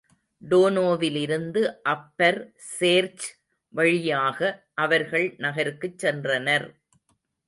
டோனோவிலிருந்து upper church வழியாக அவர்கள் நகருக்குச் சென்றனர்.